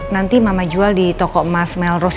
nanti mama jual di toko emas melros